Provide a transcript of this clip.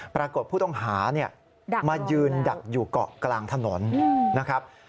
ปรากฏผู้ต้องหามายืนดักอยู่เกาะกลางถนนนะครับ